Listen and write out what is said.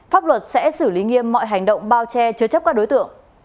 pháp luật sẽ xử lý nghiêm mọi hành động bao che chứa chấp các đối tượng